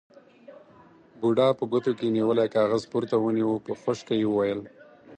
بوډا په ګوتو کې نيولی کاغذ پورته ونيو، په خشکه يې وويل: